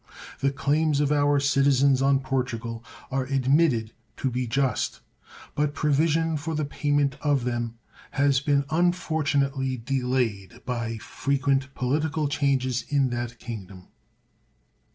The claims of our citizens on Portugal are admitted to be just, but provision for the payment of them has been unfortunately delayed by frequent political changes in that Kingdom.